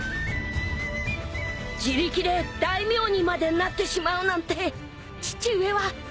［自力で大名にまでなってしまうなんて父上は立派すぎるでござる］